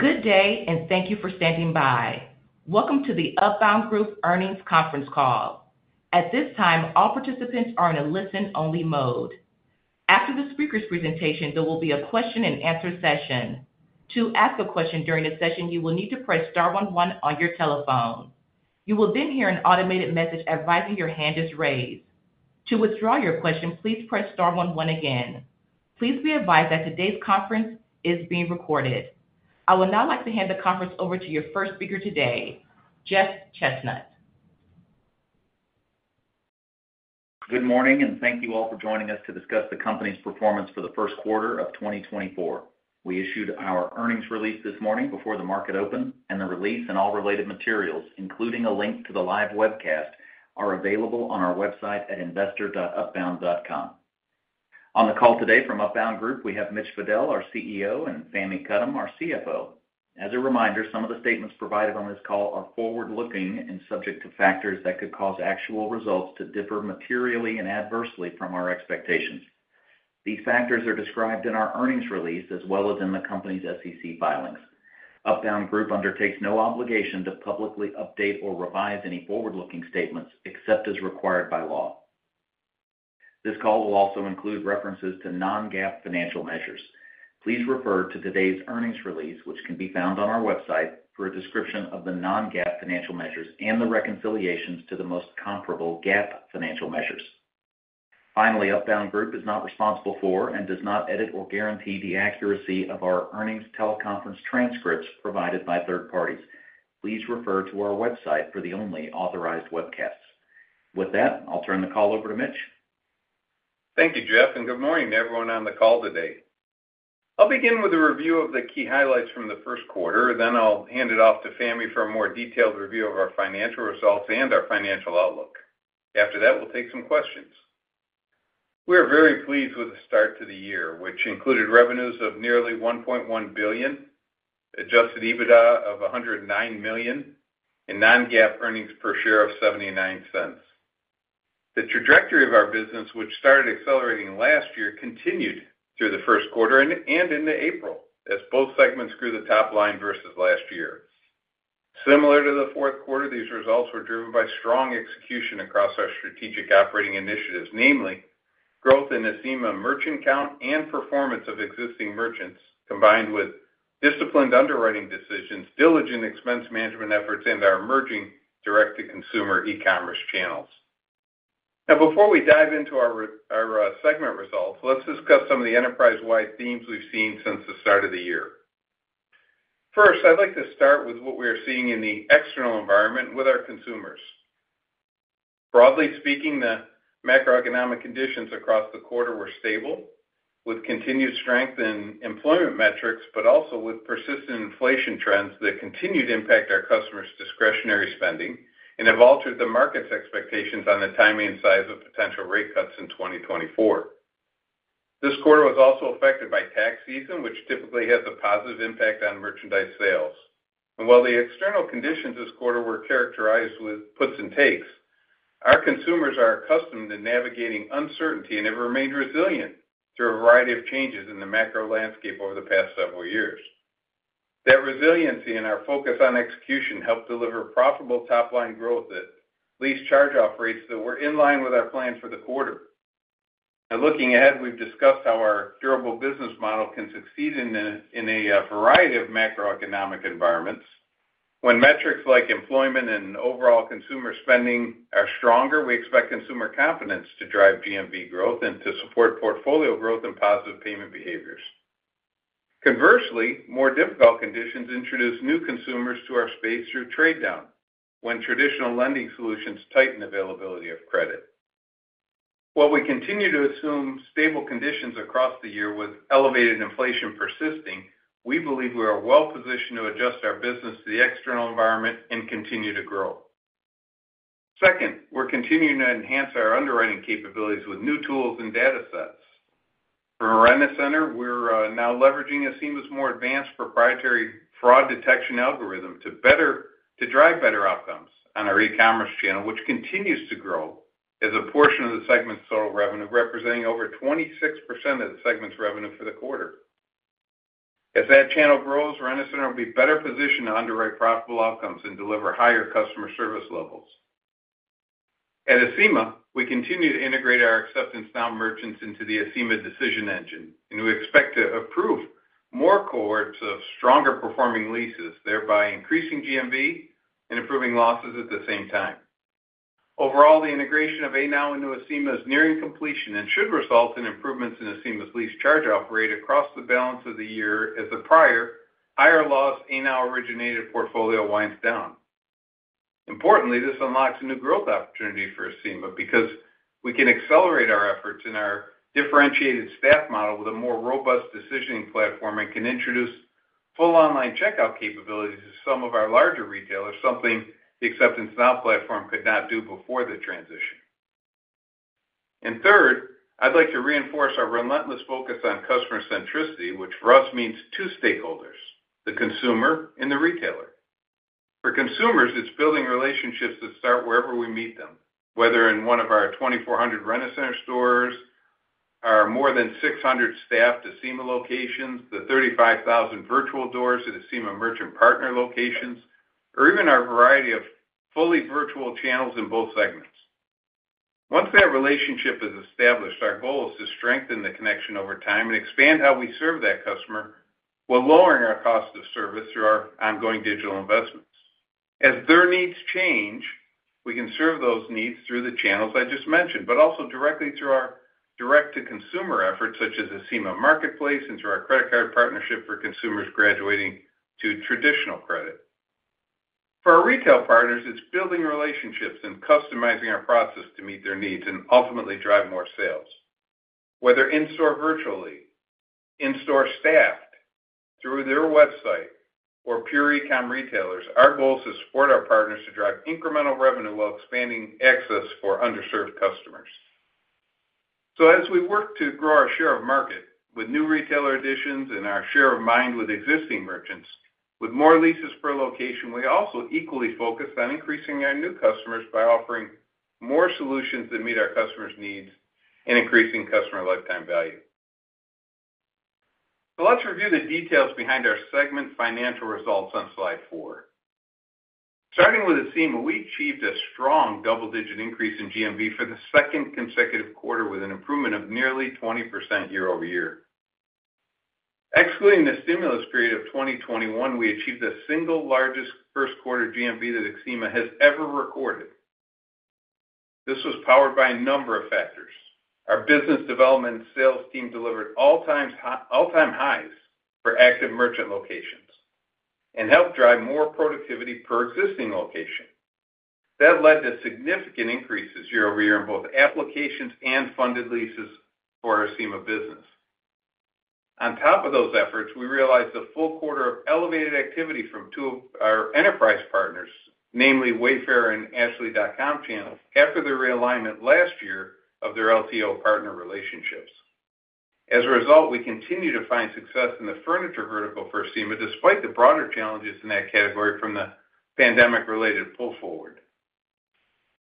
Good day, and thank you for standing by. Welcome to the Upbound Group earnings conference call. At this time, all participants are in a listen-only mode. After the speaker's presentation, there will be a question-and-answer session. To ask a question during the session, you will need to press star one one on your telephone. You will then hear an automated message advising your hand is raised. To withdraw your question, please press star one one again. Please be advised that today's conference is being recorded. I would now like to hand the conference over to your first speaker today, Jeff Chesnut. Good morning, and thank you all for joining us to discuss the company's performance for the first quarter of 2024. We issued our earnings release this morning before the market opened, and the release and all related materials, including a link to the live webcast, are available on our website at investor.upbound.com. On the call today from Upbound Group, we have Mitch Fadel, our CEO, and Fahmi Karam, our CFO. As a reminder, some of the statements provided on this call are forward-looking and subject to factors that could cause actual results to differ materially and adversely from our expectations. These factors are described in our earnings release as well as in the company's SEC filings. Upbound Group undertakes no obligation to publicly update or revise any forward-looking statements except as required by law. This call will also include references to non-GAAP financial measures. Please refer to today's earnings release, which can be found on our website, for a description of the non-GAAP financial measures and the reconciliations to the most comparable GAAP financial measures. Finally, Upbound Group is not responsible for and does not edit or guarantee the accuracy of our earnings teleconference transcripts provided by third parties. Please refer to our website for the only authorized webcasts. With that, I'll turn the call over to Mitch. Thank you, Jeff, and good morning to everyone on the call today. I'll begin with a review of the key highlights from the first quarter, then I'll hand it off to Fahmi for a more detailed review of our financial results and our financial outlook. After that, we'll take some questions. We are very pleased with the start to the year, which included revenues of nearly $1.1 billion, adjusted EBITDA of $109 million, and non-GAAP earnings per share of $0.79. The trajectory of our business, which started accelerating last year, continued through the first quarter and into April, as both segments grew the top line versus last year. Similar to the fourth quarter, these results were driven by strong execution across our strategic operating initiatives, namely growth in the Acima merchant count and performance of existing merchants, combined with disciplined underwriting decisions, diligent expense management efforts, and our emerging direct-to-consumer e-commerce channels. Now, before we dive into our segment results, let's discuss some of the enterprise-wide themes we've seen since the start of the year. First, I'd like to start with what we are seeing in the external environment with our consumers. Broadly speaking, the macroeconomic conditions across the quarter were stable, with continued strength in employment metrics, but also with persistent inflation trends that continue to impact our customers' discretionary spending and have altered the market's expectations on the timing and size of potential rate cuts in 2024. This quarter was also affected by tax season, which typically has a positive impact on merchandise sales. While the external conditions this quarter were characterized with puts and takes, our consumers are accustomed to navigating uncertainty and have remained resilient through a variety of changes in the macro landscape over the past several years. That resiliency and our focus on execution helped deliver profitable top-line growth at lease charge-off rates that were in line with our plan for the quarter. Now, looking ahead, we've discussed how our durable business model can succeed in a variety of macroeconomic environments. When metrics like employment and overall consumer spending are stronger, we expect consumer confidence to drive GMV growth and to support portfolio growth and positive payment behaviors. Conversely, more difficult conditions introduce new consumers to our space through trade down when traditional lending solutions tighten availability of credit. While we continue to assume stable conditions across the year with elevated inflation persisting, we believe we are well-positioned to adjust our business to the external environment and continue to grow. Second, we're continuing to enhance our underwriting capabilities with new tools and data sets. For Rent-A-Center, we're now leveraging Acima's more advanced proprietary fraud detection algorithm to better drive better outcomes on our e-commerce channel, which continues to grow as a portion of the segment's total revenue, representing over 26% of the segment's revenue for the quarter. As that channel grows, Rent-A-Center will be better positioned to underwrite profitable outcomes and deliver higher customer service levels. At Acima, we continue to integrate our Acceptance Now merchants into the Acima decision engine, and we expect to approve more cohorts of stronger-performing leases, thereby increasing GMV and improving losses at the same time. Overall, the integration of A-Now into Acima is nearing completion and should result in improvements in Acima's lease charge-off rate across the balance of the year as the prior, higher-loss, A-Now-originated portfolio winds down. Importantly, this unlocks a new growth opportunity for Acima because we can accelerate our efforts and our differentiated staff model with a more robust decisioning platform and can introduce full online checkout capabilities to some of our larger retailers, something the Acceptance Now platform could not do before the transition. Third, I'd like to reinforce our relentless focus on customer centricity, which for us means two stakeholders, the consumer and the retailer. For consumers, it's building relationships that start wherever we meet them, whether in one of our 2,400 Rent-A-Center stores, our more than 600 staffed Acima locations, the 35,000 virtual doors at Acima merchant partner locations, or even our variety of fully virtual channels in both segments. Once that relationship is established, our goal is to strengthen the connection over time and expand how we serve that customer, while lowering our cost of service through our ongoing digital investments. As their needs change, we can serve those needs through the channels I just mentioned, but also directly through our direct-to-consumer efforts, such as Acima Marketplace and through our credit card partnership for consumers graduating to traditional credit. For our retail partners, it's building relationships and customizing our process to meet their needs and ultimately drive more sales. Whether in-store virtually, in-store staffed, through their website or pure e-com retailers, our goal is to support our partners to drive incremental revenue while expanding access for underserved customers. As we work to grow our share of market with new retailer additions and our share of mind with existing merchants, with more leases per location, we also equally focus on increasing our new customers by offering more solutions that meet our customers' needs and increasing customer lifetime value. So let's review the details behind our segment financial results on slide four. Starting with Acima, we achieved a strong double-digit increase in GMV for the second consecutive quarter, with an improvement of nearly 20% year-over-year. Excluding the stimulus period of 2021, we achieved the single largest first quarter GMV that Acima has ever recorded. This was powered by a number of factors. Our business development sales team delivered all-time highs for active merchant locations and helped drive more productivity per existing location. That led to significant increases year-over-year in both applications and funded leases for our Acima business. On top of those efforts, we realized a full quarter of elevated activity from two of our enterprise partners, namely Wayfair and Ashley.com channels, after the realignment last year of their LTO partner relationships. As a result, we continue to find success in the furniture vertical for Acima, despite the broader challenges in that category from the pandemic-related pull forward.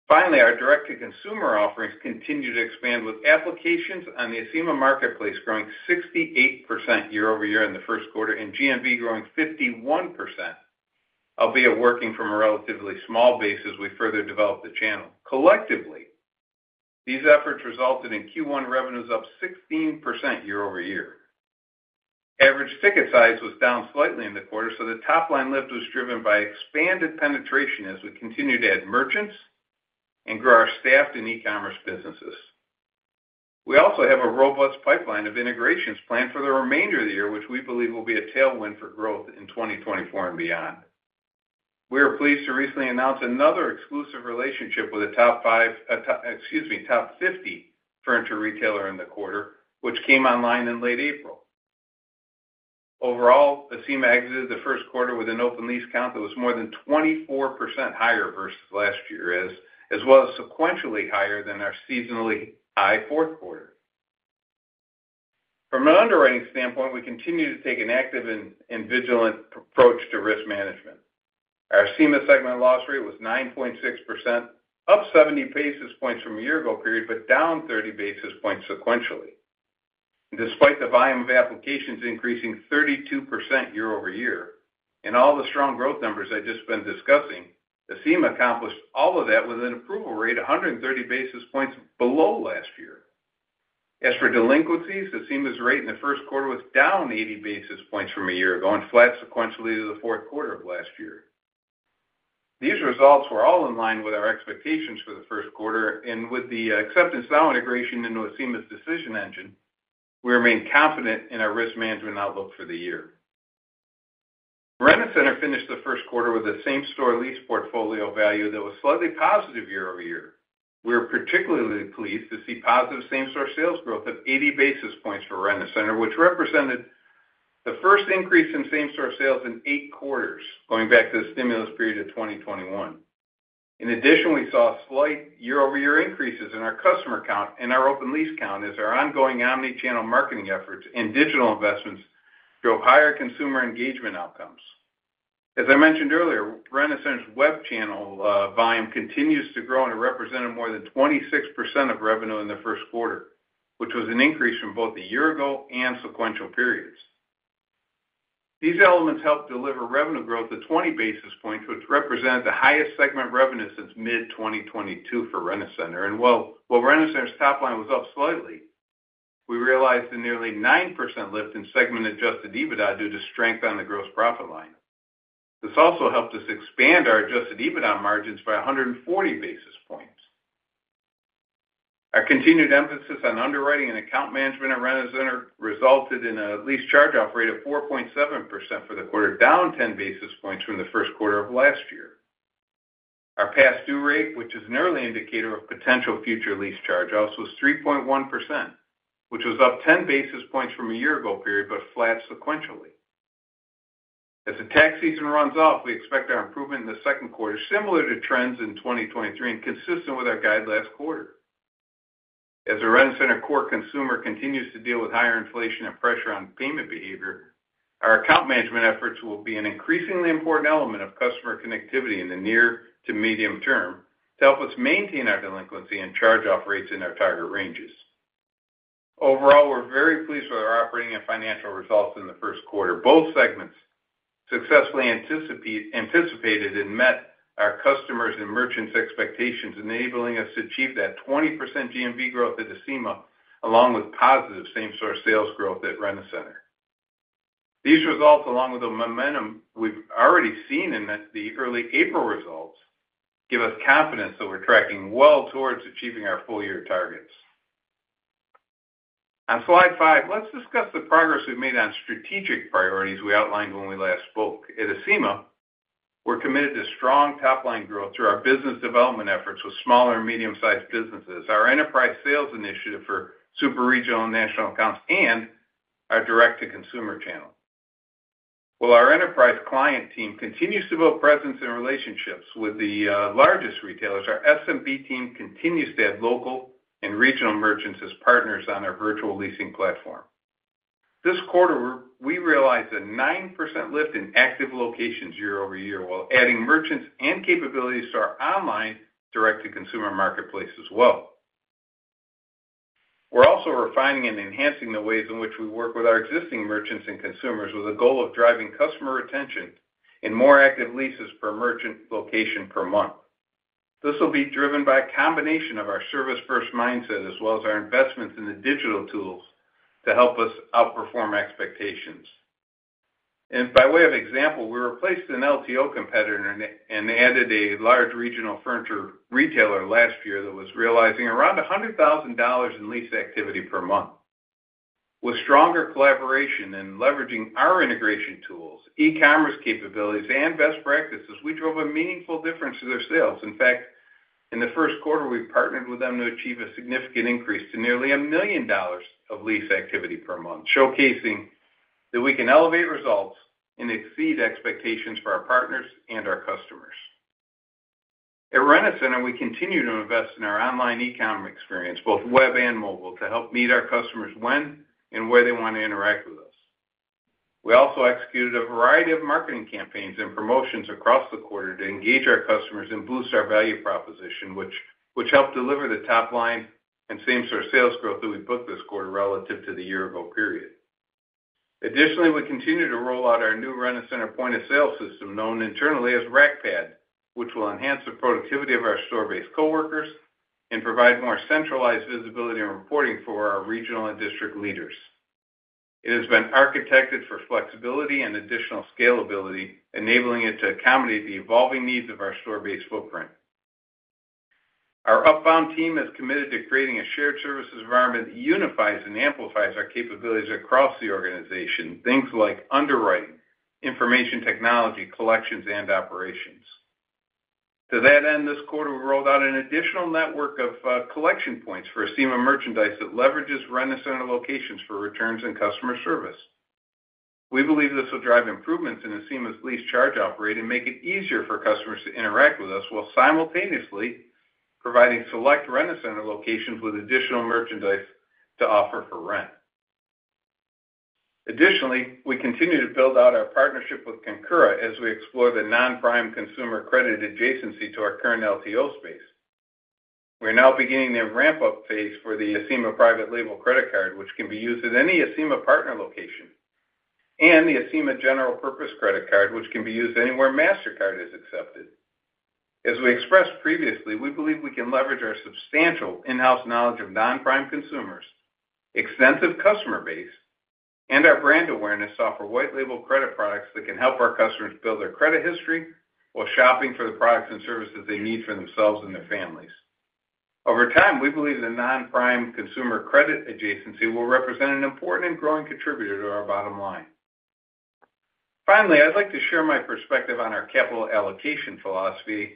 Finally, our direct-to-consumer offerings continue to expand, with applications on the Acima Marketplace growing 68% year-over-year in the first quarter, and GMV growing 51%, albeit working from a relatively small base as we further develop the channel. Collectively, these efforts resulted in Q1 revenues up 16% year-over-year. Average ticket size was down slightly in the quarter, so the top-line lift was driven by expanded penetration as we continue to add merchants and grow our staffed and e-commerce businesses. We also have a robust pipeline of integrations planned for the remainder of the year, which we believe will be a tailwind for growth in 2024 and beyond. We are pleased to recently announce another exclusive relationship with a top five, excuse me, top 50 furniture retailer in the quarter, which came online in late April. Overall, Acima exited the first quarter with an open lease count that was more than 24% higher versus last year, as well as sequentially higher than our seasonally high fourth quarter. From an underwriting standpoint, we continue to take an active and vigilant approach to risk management. Our Acima segment loss rate was 9.6%, up 70 basis points from a year ago period, but down 30 basis points sequentially. Despite the volume of applications increasing 32% year-over-year and all the strong growth numbers I've just been discussing, Acima accomplished all of that with an approval rate 130 basis points below last year. As for delinquencies, Acima's rate in the first quarter was down 80 basis points from a year ago, and flat sequentially to the fourth quarter of last year. These results were all in line with our expectations for the first quarter, and with the Acceptance Now integration into Acima's decision engine, we remain confident in our risk management outlook for the year. Rent-A-Center finished the first quarter with a same-store lease portfolio value that was slightly positive year-over-year. We are particularly pleased to see positive same-store sales growth of 80 basis points for Rent-A-Center, which represented the first increase in same-store sales in eight quarters, going back to the stimulus period of 2021. In addition, we saw slight year-over-year increases in our customer count and our open lease count as our ongoing omni-channel marketing efforts and digital investments drove higher consumer engagement outcomes. As I mentioned earlier, Rent-A-Center's web channel volume continues to grow and it represented more than 26% of revenue in the first quarter, which was an increase from both the year-ago and sequential periods. These elements helped deliver revenue growth of 20 basis points, which represented the highest segment revenue since mid-2022 for Rent-A-Center. And while, while Rent-A-Center's top line was up slightly, we realized a nearly 9% lift in segment Adjusted EBITDA due to strength on the gross profit line. This also helped us expand our Adjusted EBITDA margins by 140 basis points. Our continued emphasis on underwriting and account management at Rent-A-Center resulted in a lease charge-off rate of 4.7% for the quarter, down 10 basis points from the first quarter of last year. Our past due rate, which is an early indicator of potential future lease charge-offs, was 3.1%, which was up 10 basis points from a year ago period, but flat sequentially. As the tax season runs off, we expect our improvement in the second quarter similar to trends in 2023 and consistent with our guide last quarter. As the Rent-A-Center core consumer continues to deal with higher inflation and pressure on payment behavior, our account management efforts will be an increasingly important element of customer connectivity in the near to medium term to help us maintain our delinquency and charge-off rates in our target ranges. Overall, we're very pleased with our operating and financial results in the first quarter. Both segments successfully anticipated and met our customers' and merchants' expectations, enabling us to achieve that 20% GMV growth at Acima, along with positive same-store sales growth at Rent-A-Center. These results, along with the momentum we've already seen in the early April results, give us confidence that we're tracking well towards achieving our full-year targets. On slide five, let's discuss the progress we've made on strategic priorities we outlined when we last spoke. At Acima, we're committed to strong top-line growth through our business development efforts with small and medium-sized businesses, our enterprise sales initiative for super regional and national accounts, and our direct-to-consumer channel. While our enterprise client team continues to build presence and relationships with the largest retailers, our SMB team continues to add local and regional merchants as partners on our virtual leasing platform. This quarter, we realized a 9% lift in active locations year-over-year, while adding merchants and capabilities to our online direct-to-consumer marketplace as well. We're also refining and enhancing the ways in which we work with our existing merchants and consumers, with a goal of driving customer retention and more active leases per merchant location per month. This will be driven by a combination of our service-first mindset, as well as our investments in the digital tools to help us outperform expectations. By way of example, we replaced an LTO competitor and added a large regional furniture retailer last year that was realizing around $100,000 in lease activity per month. With stronger collaboration and leveraging our integration tools, e-commerce capabilities, and best practices, we drove a meaningful difference to their sales. In fact, in the first quarter, we partnered with them to achieve a significant increase to nearly a million dollars of lease activity per month, showcasing that we can elevate results and exceed expectations for our partners and our customers. At Rent-A-Center, we continue to invest in our online e-commerce experience, both web and mobile, to help meet our customers when and where they want to interact with us. We also executed a variety of marketing campaigns and promotions across the quarter to engage our customers and boost our value proposition, which helped deliver the top line and same-store sales growth that we booked this quarter relative to the year-ago period. Additionally, we continue to roll out our new Rent-A-Center point-of-sale system, known internally as RACPad, which will enhance the productivity of our store-based coworkers and provide more centralized visibility and reporting for our regional and district leaders. It has been architected for flexibility and additional scalability, enabling it to accommodate the evolving needs of our store-based footprint. Our Upbound team is committed to creating a shared services environment that unifies and amplifies our capabilities across the organization, things like underwriting, information technology, collections, and operations. To that end, this quarter, we rolled out an additional network of collection points for Acima merchandise that leverages Rent-A-Center locations for returns and customer service. We believe this will drive improvements in Acima's lease charge-off rate and make it easier for customers to interact with us, while simultaneously providing select Rent-A-Center locations with additional merchandise to offer for rent. Additionally, we continue to build out our partnership with Concora as we explore the non-prime consumer credit adjacency to our current LTO space. We're now beginning the ramp-up phase for the Acima private label credit card, which can be used at any Acima partner location, and the Acima general purpose credit card, which can be used anywhere Mastercard is accepted. As we expressed previously, we believe we can leverage our substantial in-house knowledge of non-prime consumers, extensive customer base, and our brand awareness to offer white-label credit products that can help our customers build their credit history while shopping for the products and services they need for themselves and their families. Over time, we believe the non-prime consumer credit adjacency will represent an important and growing contributor to our bottom line. Finally, I'd like to share my perspective on our capital allocation philosophy.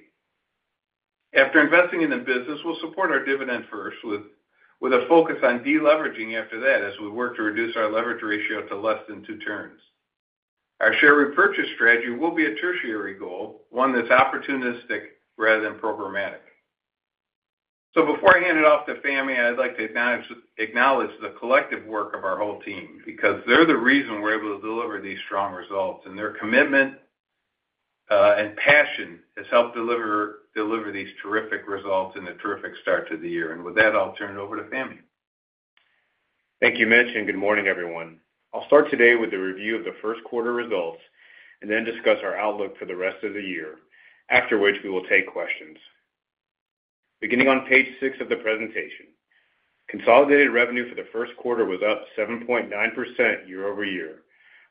After investing in the business, we'll support our dividend first, with a focus on deleveraging after that, as we work to reduce our leverage ratio to less than two turns. Our share repurchase strategy will be a tertiary goal, one that's opportunistic rather than programmatic. Before I hand it off to Fahmi, I'd like to acknowledge the collective work of our whole team, because they're the reason we're able to deliver these strong results, and their commitment and passion has helped deliver these terrific results and a terrific start to the year. With that, I'll turn it over to Fahmi. Thank you, Mitch, and good morning, everyone. I'll start today with a review of the first quarter results and then discuss our outlook for the rest of the year, after which we will take questions. Beginning on page six of the presentation, consolidated revenue for the first quarter was up 7.9% year-over-year,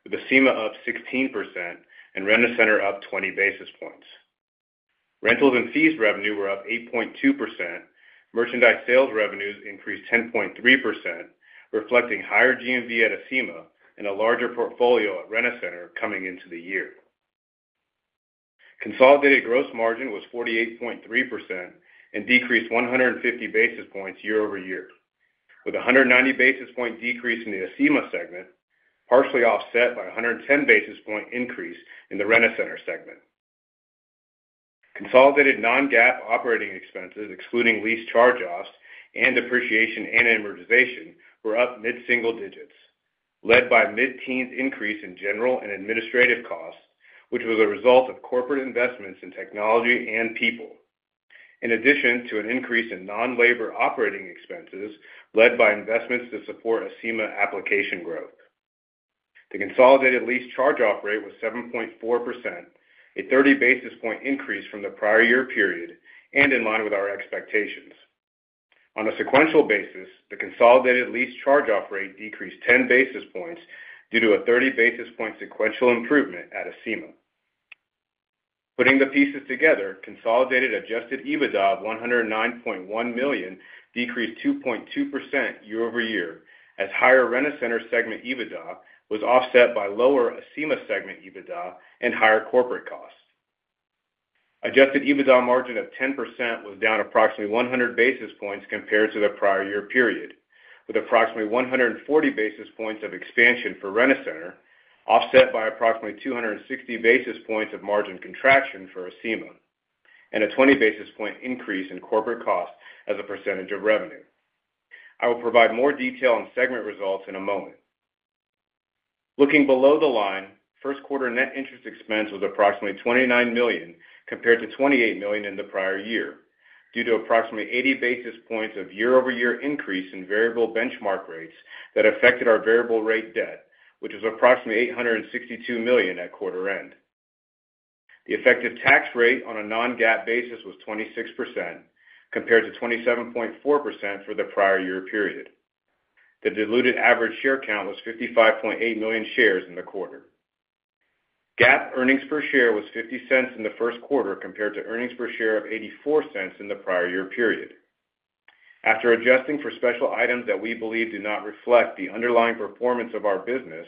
with Acima up 16% and Rent-A-Center up 20 basis points. Rentals and fees revenue were up 8.2%. Merchandise sales revenues increased 10.3%, reflecting higher GMV at Acima and a larger portfolio at Rent-A-Center coming into the year. Consolidated gross margin was 48.3% and decreased 150 basis points year-over-year, with a 190 basis point decrease in the Acima segment, partially offset by a 110 basis point increase in the Rent-A-Center segment. Consolidated non-GAAP operating expenses, excluding lease charge-offs and depreciation and amortization, were up mid-single digits, led by mid-teens increase in general and administrative costs, which was a result of corporate investments in technology and people, in addition to an increase in non-labor operating expenses led by investments to support Acima application growth. The consolidated lease charge-off rate was 7.4%, a 30 basis point increase from the prior year period, and in line with our expectations. On a sequential basis, the consolidated lease charge-off rate decreased 10 basis points due to a 30 basis point sequential improvement at Acima. Putting the pieces together, consolidated adjusted EBITDA of $109.1 million decreased 2.2% year-over-year, as higher Rent-A-Center segment EBITDA was offset by lower Acima segment EBITDA and higher corporate costs. Adjusted EBITDA margin of 10% was down approximately 100 basis points compared to the prior year period, with approximately 140 basis points of expansion for Rent-A-Center, offset by approximately 260 basis points of margin contraction for Acima, and a 20 basis point increase in corporate costs as a percentage of revenue. I will provide more detail on segment results in a moment. Looking below the line, first quarter net interest expense was approximately $29 million, compared to $28 million in the prior year, due to approximately 80 basis points of year-over-year increase in variable benchmark rates that affected our variable rate debt, which is approximately $862 million at quarter end. The effective tax rate on a non-GAAP basis was 26%, compared to 27.4% for the prior year period. The diluted average share count was $55.8 million shares in the quarter. GAAP earnings per share was $0.50 in the first quarter, compared to earnings per share of $0.84 in the prior year period. After adjusting for special items that we believe do not reflect the underlying performance of our business,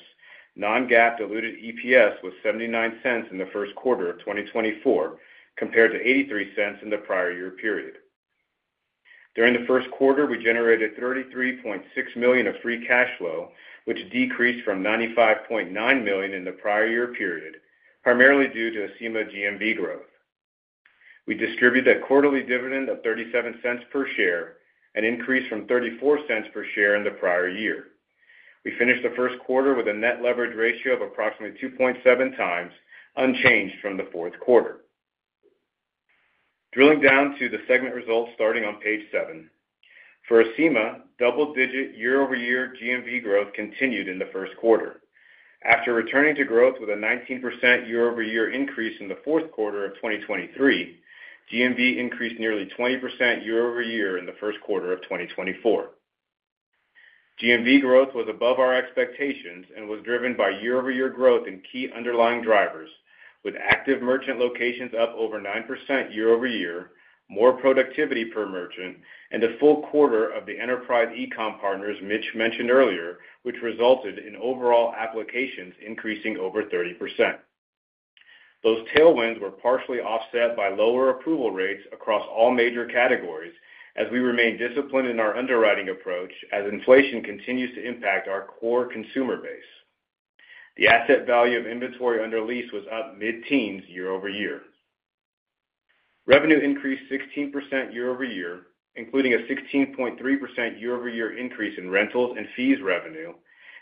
non-GAAP diluted EPS was $0.79 in the first quarter of 2024, compared to $0.83 in the prior year period. During the first quarter, we generated $33.6 million of free cash flow, which decreased from $95.9 million in the prior year period, primarily due to Acima GMV growth. We distributed a quarterly dividend of $0.37 per share, an increase from $0.34 per share in the prior year. We finished the first quarter with a net leverage ratio of approximately 2.7x, unchanged from the fourth quarter. Drilling down to the segment results starting on page seven. For Acima, double-digit year-over-year GMV growth continued in the first quarter. After returning to growth with a 19% year-over-year increase in the fourth quarter of 2023, GMV increased nearly 20% year-over-year in the first quarter of 2024. GMV growth was above our expectations and was driven by year-over-year growth in key underlying drivers, with active merchant locations up over 9% year-over-year, more productivity per merchant, and a full quarter of the enterprise e-com partners Mitch mentioned earlier, which resulted in overall applications increasing over 30%. Those tailwinds were partially offset by lower approval rates across all major categories, as we remain disciplined in our underwriting approach as inflation continues to impact our core consumer base. The asset value of inventory under lease was up mid-teens year-over-year. Revenue increased 16% year-over-year, including a 16.3% year-over-year increase in rentals and fees revenue,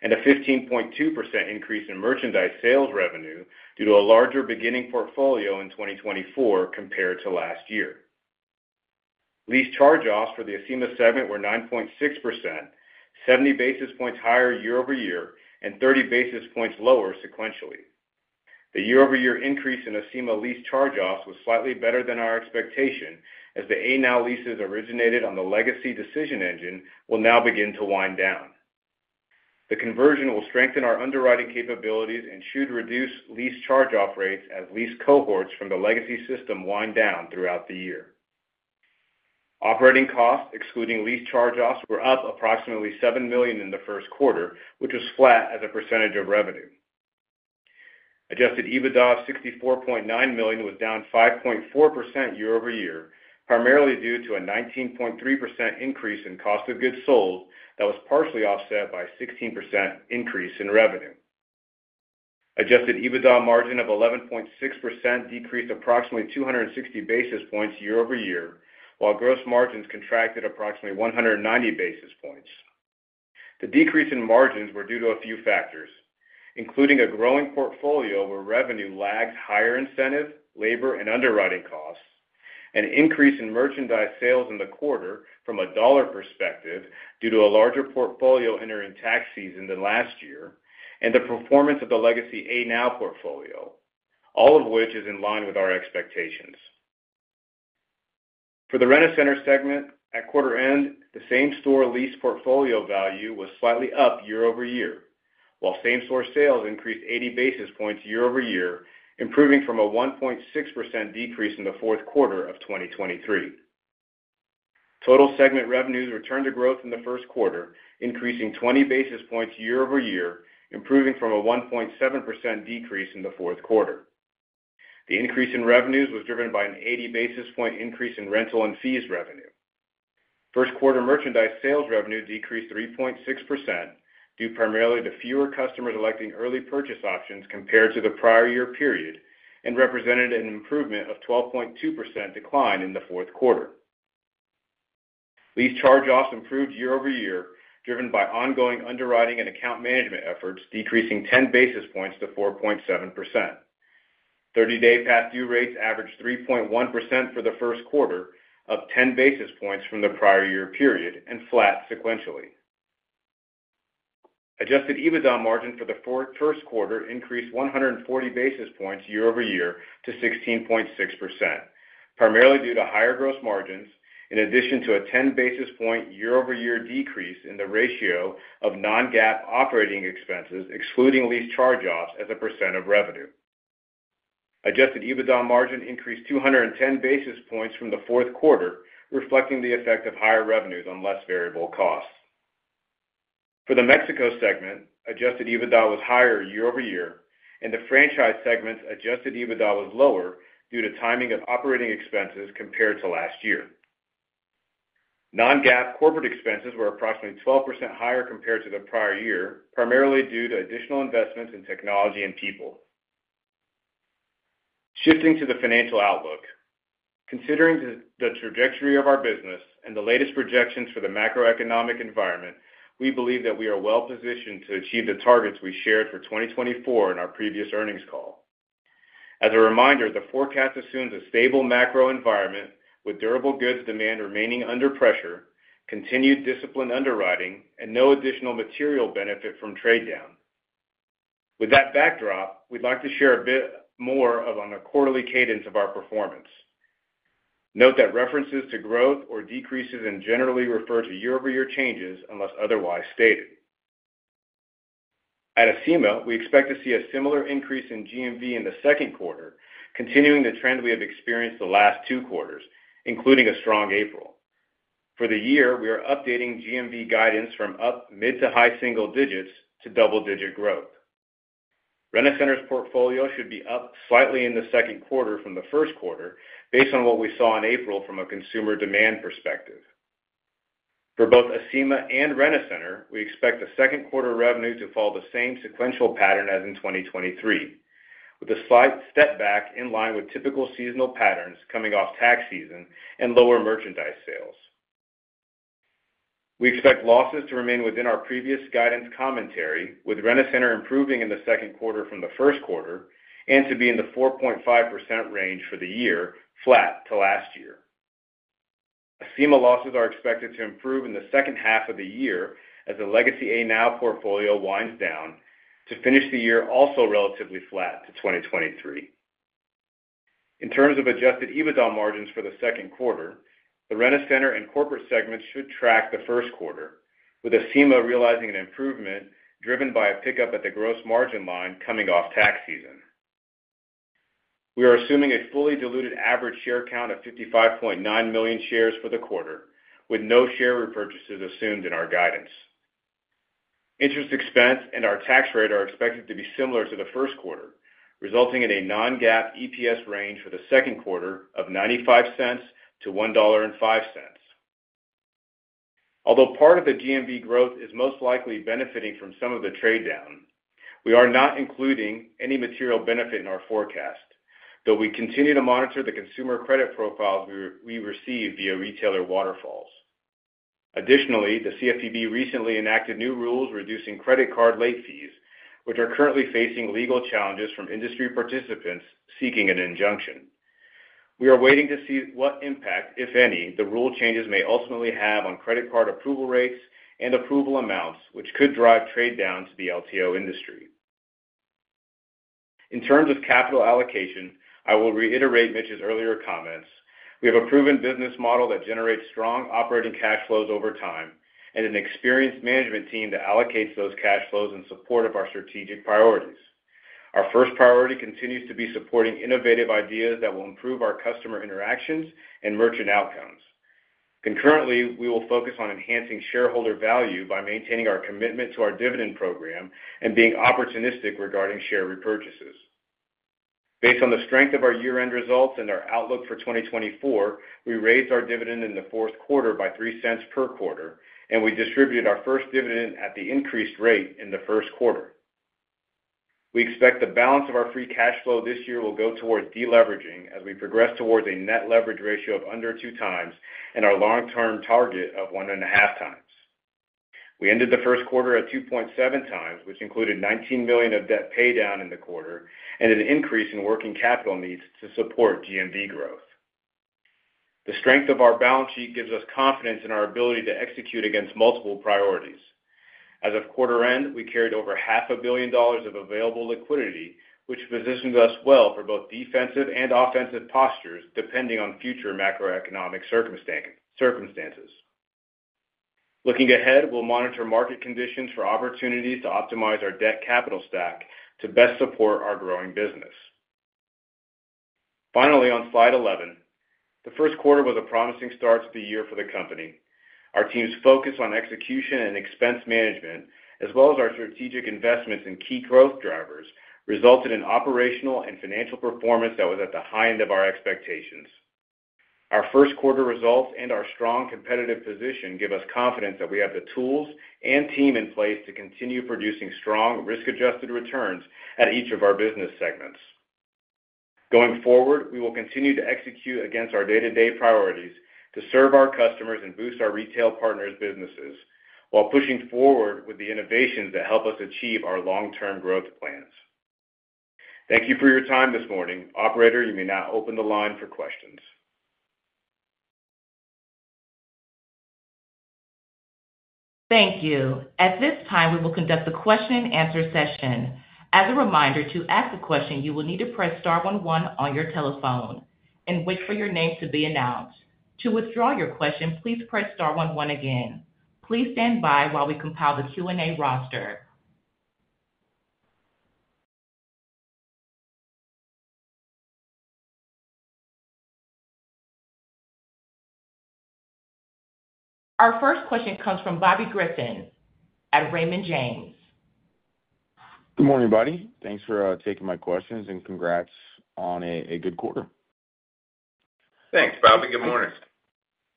and a 15.2% increase in merchandise sales revenue due to a larger beginning portfolio in 2024 compared to last year. Lease charge-offs for the Acima segment were 9.6%, 70 basis points higher year-over-year, and 30 basis points lower sequentially. The year-over-year increase in Acima lease charge-offs was slightly better than our expectation, as the A-Now leases originated on the legacy decision engine will now begin to wind down. The conversion will strengthen our underwriting capabilities and should reduce lease charge-off rates as lease cohorts from the legacy system wind down throughout the year. Operating costs, excluding lease charge-offs, were up approximately $7 million in the first quarter, which was flat as a percentage of revenue. Adjusted EBITDA of $64.9 million was down 5.4% year-over-year, primarily due to a 19.3% increase in cost of goods sold that was partially offset by a 16% increase in revenue. Adjusted EBITDA margin of 11.6% decreased approximately 260 basis points year-over-year, while gross margins contracted approximately 190 basis points. The decrease in margins were due to a few factors, including a growing portfolio where revenue lags higher incentive, labor, and underwriting costs, an increase in merchandise sales in the quarter from a dollar perspective due to a larger portfolio entering tax season than last year, and the performance of the legacy A-Now portfolio, all of which is in line with our expectations. For the Rent-A-Center segment, at quarter end, the same-store lease portfolio value was slightly up year-over-year, while same-store sales increased 80 basis points year-over-year, improving from a 1.6% decrease in the fourth quarter of 2023. Total segment revenues returned to growth in the first quarter, increasing 20 basis points year-over-year, improving from a 1.7% decrease in the fourth quarter. The increase in revenues was driven by an 80 basis point increase in rental and fees revenue. First quarter merchandise sales revenue decreased 3.6%, due primarily to fewer customers electing early purchase options compared to the prior year period, and represented an improvement of 12.2% decline in the fourth quarter. Lease charge-offs improved year-over-year, driven by ongoing underwriting and account management efforts, decreasing 10 basis points to 4.7%. 30-day past due rates averaged 3.1% for the first quarter, up 10 basis points from the prior year period and flat sequentially. Adjusted EBITDA margin for the first quarter increased 140 basis points year-over-year to 16.6%, primarily due to higher gross margins, in addition to a 10 basis point year-over-year decrease in the ratio of non-GAAP operating expenses, excluding lease charge-offs as a percent of revenue. Adjusted EBITDA margin increased 210 basis points from the fourth quarter, reflecting the effect of higher revenues on less variable costs. For the Mexico segment, adjusted EBITDA was higher year-over-year, and the franchise segment's adjusted EBITDA was lower due to timing of operating expenses compared to last year. Non-GAAP corporate expenses were approximately 12% higher compared to the prior year, primarily due to additional investments in technology and people. Shifting to the financial outlook. Considering the trajectory of our business and the latest projections for the macroeconomic environment, we believe that we are well-positioned to achieve the targets we shared for 2024 in our previous earnings call. As a reminder, the forecast assumes a stable macro environment with durable goods demand remaining under pressure, continued disciplined underwriting, and no additional material benefit from trade down. With that backdrop, we'd like to share a bit more on a quarterly cadence of our performance. Note that references to growth or decreases generally refer to year-over-year changes, unless otherwise stated. At Acima, we expect to see a similar increase in GMV in the second quarter, continuing the trend we have experienced the last two quarters, including a strong April. For the year, we are updating GMV guidance from up mid to high-single-digits to double-digit growth. Rent-A-Center's portfolio should be up slightly in the second quarter from the first quarter, based on what we saw in April from a consumer demand perspective. For both Acima and Rent-A-Center, we expect the second quarter revenue to follow the same sequential pattern as in 2023, with a slight step back in line with typical seasonal patterns coming off tax season and lower merchandise sales. We expect losses to remain within our previous guidance commentary, with Rent-A-Center improving in the second quarter from the first quarter, and to be in the 4.5% range for the year, flat to last year. Acima losses are expected to improve in the second half of the year as the legacy A-Now portfolio winds down to finish the year also relatively flat to 2023. In terms of Adjusted EBITDA margins for the second quarter, the Rent-A-Center and corporate segments should track the first quarter, with Acima realizing an improvement driven by a pickup at the gross margin line coming off tax season. We are assuming a fully diluted average share count of $55.9 million shares for the quarter, with no share repurchases assumed in our guidance. Interest expense and our tax rate are expected to be similar to the first quarter, resulting in a non-GAAP EPS range for the second quarter of $0.95-$1.05. Although part of the GMV growth is most likely benefiting from some of the trade down, we are not including any material benefit in our forecast, though we continue to monitor the consumer credit profiles we receive via retailer waterfalls. Additionally, the CFPB recently enacted new rules reducing credit card late fees, which are currently facing legal challenges from industry participants seeking an injunction. We are waiting to see what impact, if any, the rule changes may ultimately have on credit card approval rates and approval amounts, which could drive trade down to the LTO industry. In terms of capital allocation, I will reiterate Mitch's earlier comments. We have a proven business model that generates strong operating cash flows over time, and an experienced management team that allocates those cash flows in support of our strategic priorities. Our first priority continues to be supporting innovative ideas that will improve our customer interactions and merchant outcomes. Concurrently, we will focus on enhancing shareholder value by maintaining our commitment to our dividend program and being opportunistic regarding share repurchases. Based on the strength of our year-end results and our outlook for 2024, we raised our dividend in the fourth quarter by $0.03 per quarter, and we distributed our first dividend at the increased rate in the first quarter. We expect the balance of our free cash flow this year will go towards deleveraging as we progress towards a net leverage ratio of under 2x and our long-term target of 1.5x. We ended the first quarter at 2.7x, which included $19 million of debt paydown in the quarter and an increase in working capital needs to support GMV growth. The strength of our balance sheet gives us confidence in our ability to execute against multiple priorities. As of quarter end, we carried over $500 million of available liquidity, which positions us well for both defensive and offensive postures, depending on future macroeconomic circumstances. Looking ahead, we'll monitor market conditions for opportunities to optimize our debt capital stack to best support our growing business. Finally, on Slide 11, the first quarter was a promising start to the year for the company. Our team's focus on execution and expense management, as well as our strategic investments in key growth drivers, resulted in operational and financial performance that was at the high end of our expectations. Our first quarter results and our strong competitive position give us confidence that we have the tools and team in place to continue producing strong risk-adjusted returns at each of our business segments. Going forward, we will continue to execute against our day-to-day priorities to serve our customers and boost our retail partners' businesses, while pushing forward with the innovations that help us achieve our long-term growth plans. Thank you for your time this morning. Operator, you may now open the line for questions. Thank you. At this time, we will conduct a question-and-answer session. As a reminder, to ask a question, you will need to press star one one on your telephone and wait for your name to be announced. To withdraw your question, please press star one one again. Please stand by while we compile the Q&A roster. Our first question comes from Bobby Griffin at Raymond James. Good morning, everybody. Thanks for taking my questions, and congrats on a good quarter. Thanks, Bobby. Good morning.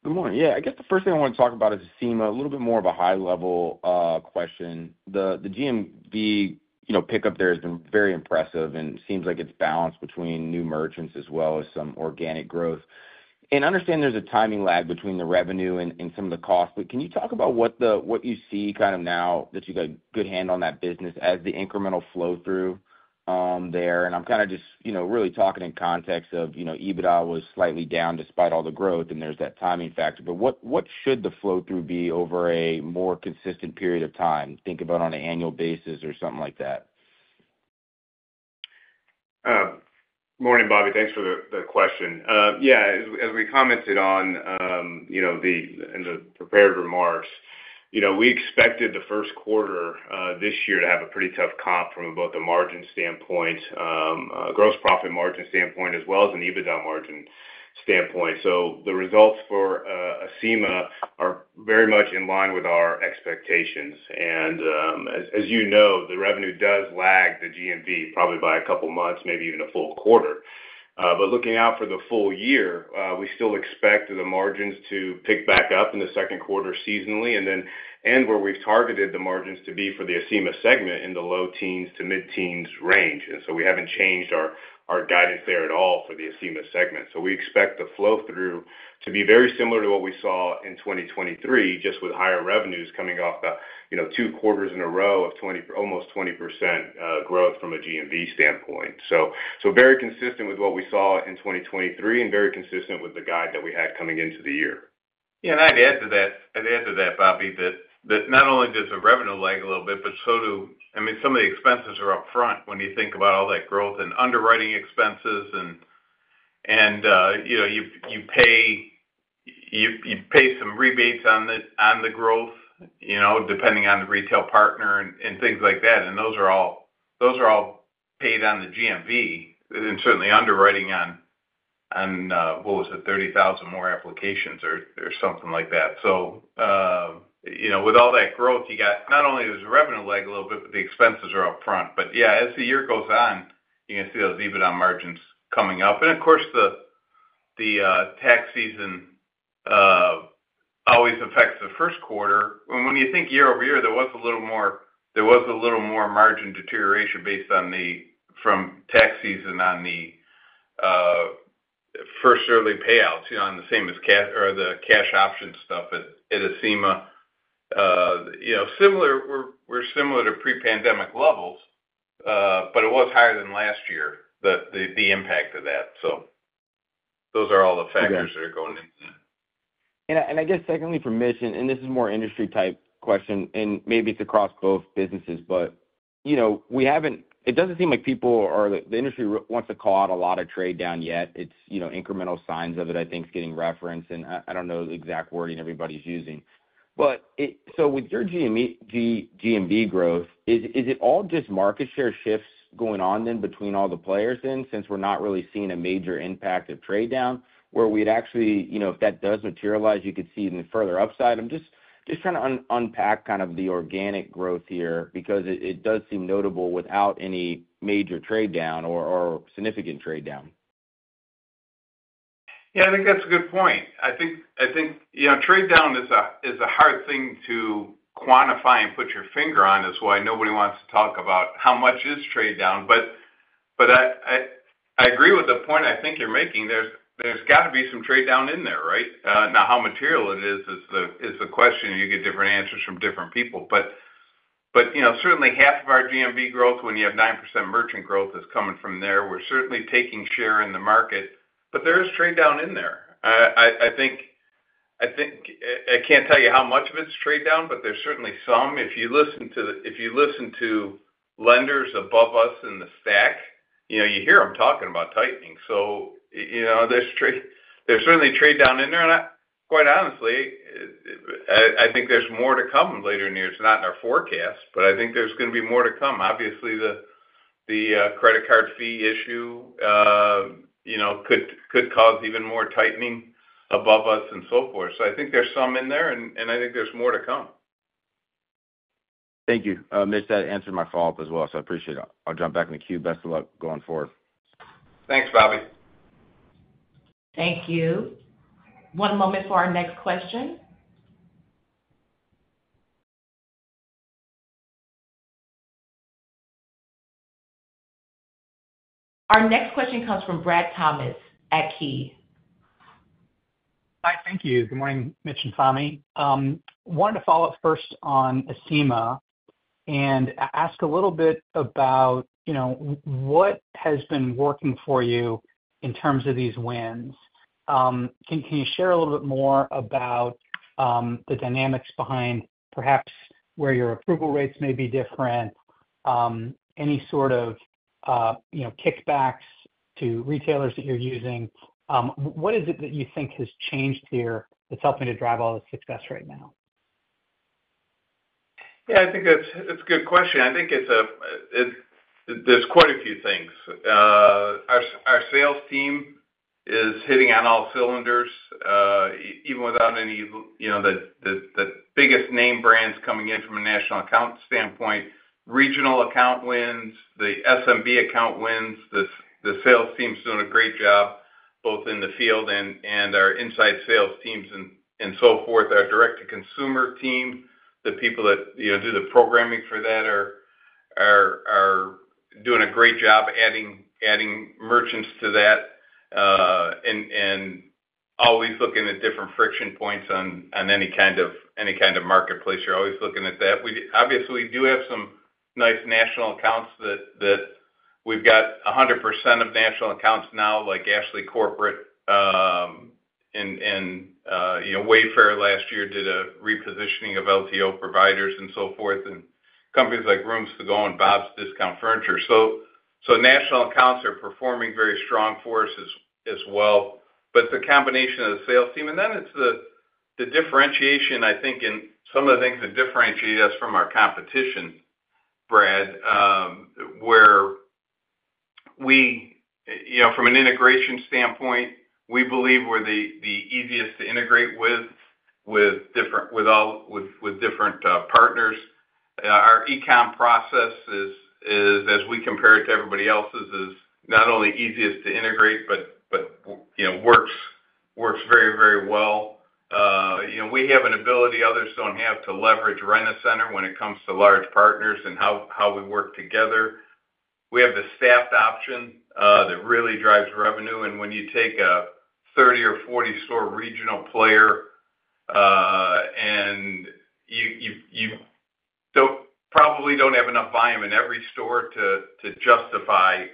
Good morning. Yeah, I guess the first thing I want to talk about is Acima, a little bit more of a high-level question. The GMV, you know, pickup there has been very impressive, and it seems like it's balanced between new merchants as well as some organic growth. I understand there's a timing lag between the revenue and some of the costs, but can you talk about what you see kind of now that you got a good handle on that business as the incremental flow-through there? And I'm kinda just, you know, really talking in context of, you know, EBITDA was slightly down despite all the growth, and there's that timing factor. But what should the flow-through be over a more consistent period of time? Think about on an annual basis or something like that. Morning, Bobby. Thanks for the question. Yeah, as we commented on, you know, in the prepared remarks, you know, we expected the first quarter this year to have a pretty tough comp from both a margin standpoint, gross profit margin standpoint, as well as an EBITDA margin standpoint. The results for Acima are very much in line with our expectations. As you know, the revenue does lag the GMV, probably by a couple of months, maybe even a full quarter. But looking out for the full year, we still expect the margins to pick back up in the second quarter seasonally, and then where we've targeted the margins to be for the Acima segment in the low teens to mid-teens range. We haven't changed our guidance there at all for the Acima segment. We expect the flow-through to be very similar to what we saw in 2023, just with higher revenues coming off the, you know, two quarters in a row of 20, almost 20% growth from a GMV standpoint. Very consistent with what we saw in 2023, and very consistent with the guide that we had coming into the year. Yeah, and I'd add to that, I'd add to that, Bobby, that, that not only does the revenue lag a little bit, but so do—I mean, some of the expenses are upfront when you think about all that growth and underwriting expenses, and, you know, you pay some rebates on the, on the growth, you know, depending on the retail partner and, and things like that. Those are all, those are all paid on the GMV, and certainly underwriting on, on, what was it? 30,000 more applications or, or something like that. So, you know, with all that growth, you got not only does the revenue lag a little bit, but the expenses are upfront. But yeah, as the year goes on, you're going to see those EBITDA margins coming up. Of course, the tax season always affects the first quarter. When you think year-over-year, there was a little more margin deterioration based on the from tax season on the first early payouts, you know, on the same as cash or the cash option stuff at Acima. You know, similar, we're similar to pre-pandemic levels, but it was higher than last year, the impact of that. Those are all the factors. Yeah. That are going into that. I guess secondly, for Mitch, and this is more industry-type question, and maybe it's across both businesses, but, you know, we haven't—it doesn't seem like people or the, the industry wants to call out a lot of trade down yet. It's, you know, incremental signs of it, I think, is getting referenced, and I don't know the exact wording everybody's using. But it—so with your GMV growth, is, is it all just market share shifts going on then between all the players then, since we're not really seeing a major impact of trade down, where we'd actually, you know, if that does materialize, you could see even further upside? I'm just trying to unpack kind of the organic growth here because it does seem notable without any major trade down or significant trade down. Yeah, I think that's a good point. I think, you know, trade down is a hard thing to quantify and put your finger on. That's why nobody wants to talk about how much is trade down. But, I agree with the point I think you're making. There's got to be some trade down in there, right? Now, how material it is, is the question, and you get different answers from different people. But, you know, certainly half of our GMV growth, when you have 9% merchant growth, is coming from there. We're certainly taking share in the market, but there is trade down in there. I think. I can't tell you how much of it is trade down, but there's certainly some. If you listen to lenders above us in the stack, you know, you hear them talking about tightening. So, you know, there's trade, there's certainly trade down in there. Quite honestly, I think there's more to come later in the year. It's not in our forecast, but I think there's going to be more to come. Obviously, the credit card fee issue, you know, could cause even more tightening above us and so forth. I think there's some in there, and I think there's more to come. Thank you. Mitch, that answered my follow-up as well, so I appreciate it. I'll jump back in the queue. Best of luck going forward. Thanks, Bobby. Thank you. One moment for our next question. Our next question comes from Brad Thomas at Key. Hi, thank you. Good morning, Mitch and Fahmi. Wanted to follow up first on Acima and ask a little bit about, you know, what has been working for you in terms of these wins. Can you share a little bit more about the dynamics behind perhaps where your approval rates may be different, any sort of, you know, kickbacks to retailers that you're using? What is it that you think has changed here that's helping to drive all this success right now? Yeah, I think it's a good question. I think it's, there's quite a few things. Our sales team is hitting on all cylinders, even without any, you know, the biggest name brands coming in from a national account standpoint, regional account wins, the SMB account wins. The sales team's doing a great job, both in the field and our inside sales teams and so forth. Our direct-to-consumer team, the people that, you know, do the programming for that are doing a great job adding merchants to that, and always looking at different friction points on any kind of marketplace. You're always looking at that. We obviously do have some nice national accounts that we've got 100% of national accounts now, like Ashley Corporate, and, you know, Wayfair last year did a repositioning of LTO providers and so forth, and companies like Rooms To Go and Bob's Discount Furniture. So national accounts are performing very strong for us as well. But the combination of the sales team, and then it's the differentiation, I think, in some of the things that differentiate us from our competition, Brad, where we, you know, from an integration standpoint, we believe we're the easiest to integrate with different partners. Our e-com process is, as we compare it to everybody else's, is not only easiest to integrate, but, you know, works very, very well. You know, we have an ability others don't have to leverage Rent-A-Center when it comes to large partners and how we work together. We have the staffed option that really drives revenue. When you take a 30 or 40 store regional player and you don't probably don't have enough volume in every store to justify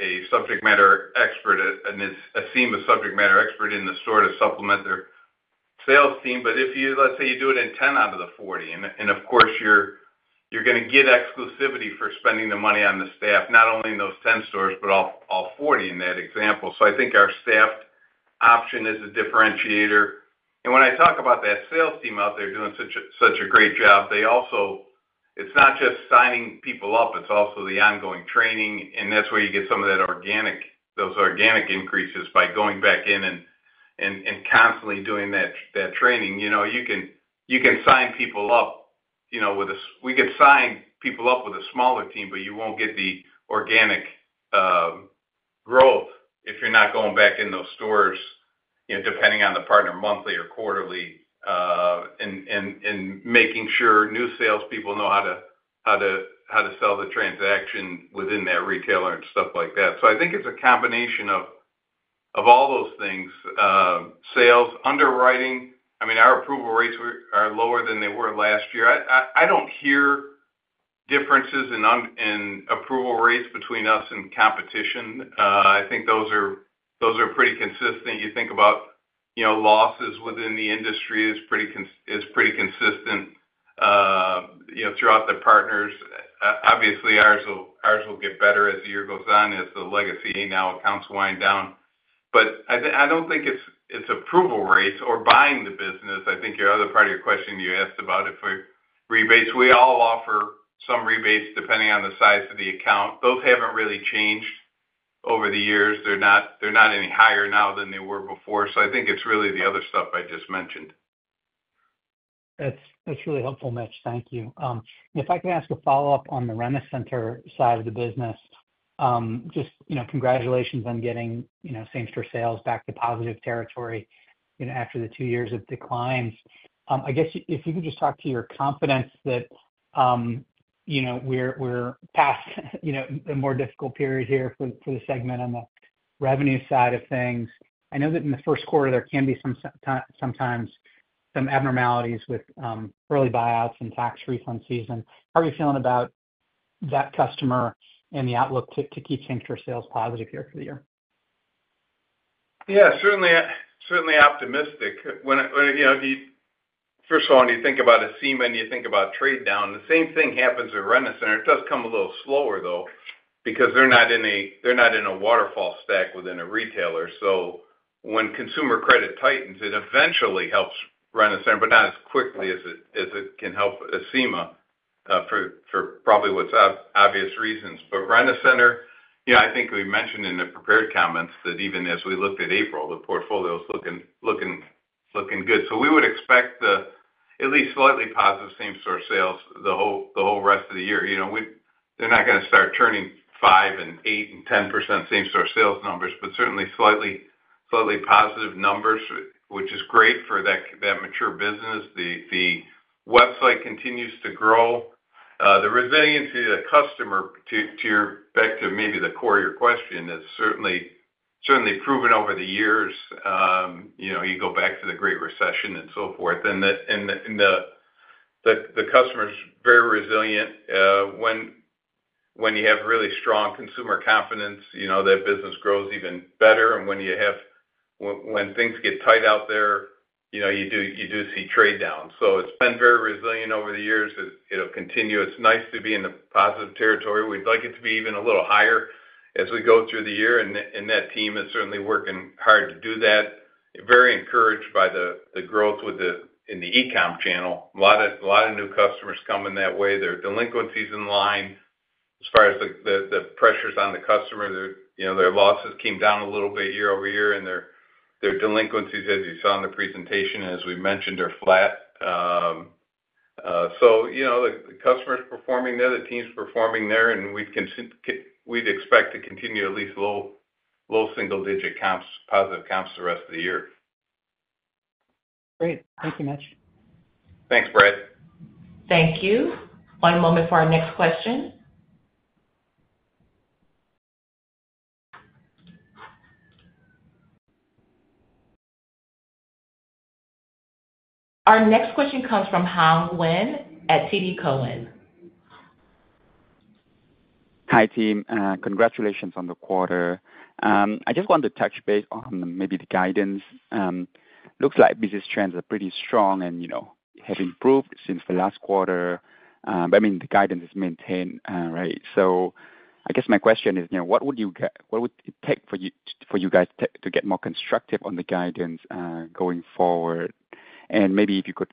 a subject matter expert, an Acima subject matter expert in the store to supplement their sales team. If you, let's say, you do it in 10 out of the 40, and of course, you're gonna get exclusivity for spending the money on the staff, not only in those 10 stores, but all 40 in that example. I think our staffed option is a differentiator. When I talk about that sales team out there doing such a great job, they also, it's not just signing people up, it's also the ongoing training, and that's where you get some of that organic, those organic increases by going back in and constantly doing that training. You know, you can sign people up, you know, with a, we could sign people up with a smaller team, but you won't get the organic growth if you're not going back in those stores, you know, depending on the partner, monthly or quarterly, and making sure new salespeople know how to sell the transaction within that retailer and stuff like that. I think it's a combination of all those things, sales, underwriting. I mean, our approval rates were, are lower than they were last year. I don't hear differences in, in approval rates between us and competition. I think those are, those are pretty consistent. You think about, you know, losses within the industry is pretty consistent, you know, throughout the partners. Obviously, ours will, ours will get better as the year goes on, as the legacy A-Now accounts wind down. But I think—I don't think it's, it's approval rates or buying the business. I think your other part of your question, you asked about it for rebates. We all offer some rebates depending on the size of the account. Those haven't really changed over the years. They're not, they're not any higher now than they were before, so I think it's really the other stuff I just mentioned. That's really helpful, Mitch. Thank you. If I could ask a follow-up on the Rent-A-Center side of the business, just, you know, congratulations on getting, you know, same store sales back to positive territory, you know, after the two years of declines. I guess, if you could just talk to your confidence that, you know, we're past, you know, a more difficult period here for the segment on the revenue side of things. I know that in the first quarter, there can be some abnormalities with early buyouts and tax refund season. How are you feeling about that customer and the outlook to keep same store sales positive year-after-year? Yeah, certainly, certainly optimistic. When you think about Acima and you think about trade down, the same thing happens with Rent-A-Center. It does come a little slower, though, because they're not in a waterfall stack within a retailer. When consumer credit tightens, it eventually helps Rent-A-Center, but not as quickly as it can help Acima, probably with obvious reasons, but Rent-A-Center, you know, I think we mentioned in the prepared comments that even as we looked at April, the portfolio is looking good. So we would expect at least slightly positive same-store sales the whole rest of the year. You know, we're not gonna start turning 5%, 8%, and 10% same-store sales numbers, but certainly slightly, slightly positive numbers, which is great for that, that mature business. The website continues to grow. The resiliency of the customer, to your back to maybe the core of your question, is certainly, certainly proven over the years. You know, you go back to the Great Recession and so forth, and the customer's very resilient. When you have really strong consumer confidence, you know, that business grows even better. When things get tight out there, you know, you do see trade downs. So it's been very resilient over the years. It'll continue. It's nice to be in the positive territory. We'd like it to be even a little higher as we go through the year, and that team is certainly working hard to do that. Very encouraged by the growth in the e-com channel. A lot of new customers come in that way. Their delinquency is in line. As far as the pressures on the customer, you know, their losses came down a little bit year-over-year, and their delinquencies, as you saw in the presentation, as we mentioned, are flat. So, you know, the customer's performing there, the team's performing there, and we'd expect to continue at least low single digit comps, positive comps the rest of the year. Great. Thank you, Mitch. Thanks, Brad. Thank you. One moment for our next question. Our next question comes from Hoang Nguyen at TD Cowen. Hi, team, congratulations on the quarter. I just want to touch base on maybe the guidance. Looks like business trends are pretty strong and, you know, have improved since the last quarter. But, I mean, the guidance is maintained, right? So I guess my question is, you know, what would it take for you, for you guys to get more constructive on the guidance, going forward? And maybe if you could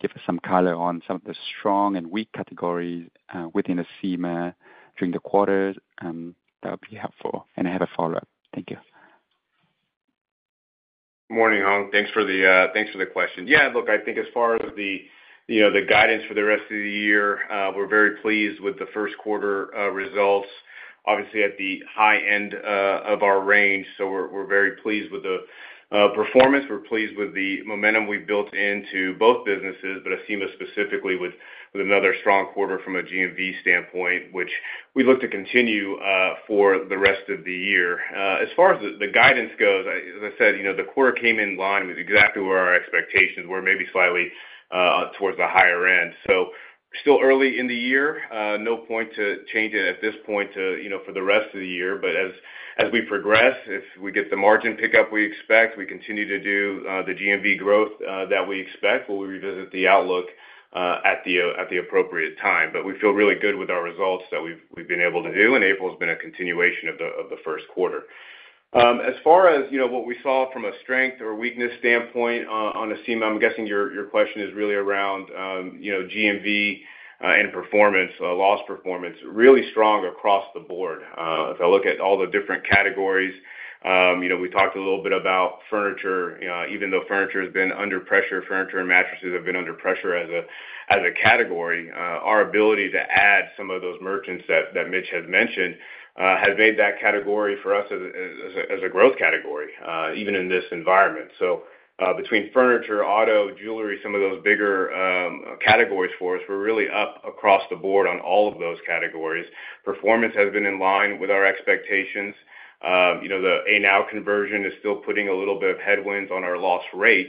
give us some color on some of the strong and weak categories within the Acima during the quarter, that would be helpful. And I have a follow-up. Thank you. Morning, Hoang. Thanks for the question. Yeah, look, I think as far as the, you know, the guidance for the rest of the year, we're very pleased with the first quarter results. Obviously, at the high end of our range, so we're very pleased with the performance. We're pleased with the momentum we've built into both businesses, but Acima specifically, with another strong quarter from a GMV standpoint, which we look to continue for the rest of the year. As far as the guidance goes, as I said, you know, the quarter came in line with exactly where our expectations were, maybe slightly towards the higher end. Still early in the year, no point to change it at this point to, you know, for the rest of the year. As we progress, if we get the margin pickup we expect, we continue to do the GMV growth that we expect, we'll revisit the outlook at the appropriate time. But we feel really good with our results that we've been able to do, and April has been a continuation of the first quarter. As far as, you know, what we saw from a strength or weakness standpoint on Acima, I'm guessing your question is really around, you know, GMV and performance, loss performance. Really strong across the board. If I look at all the different categories, you know, we talked a little bit about furniture. You know, even though furniture has been under pressure, furniture and mattresses have been under pressure as a category, our ability to add some of those merchants that Mitch has mentioned has made that category for us as a growth category, even in this environment. So, between furniture, auto, jewelry, some of those bigger categories for us, we're really up across the board on all of those categories. Performance has been in line with our expectations. You know, the A-Now conversion is still putting a little bit of headwinds on our loss rate,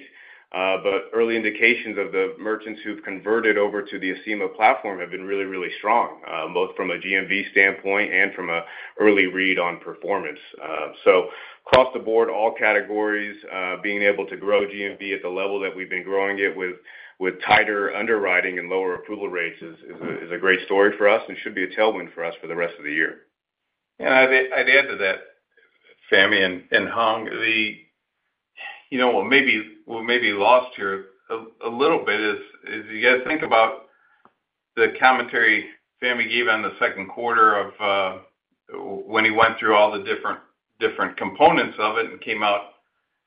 but early indications of the merchants who've converted over to the Acima platform have been really, really strong, both from a GMV standpoint and from a early read on performance. Across the board, all categories, being able to grow GMV at the level that we've been growing it with tighter underwriting and lower approval rates is a great story for us and should be a tailwind for us for the rest of the year. I'd add to that, Fahmi and Hoang, you know, what may be lost here a little bit is you guys think about the commentary Fahmi gave on the second quarter when he went through all the different components of it and came out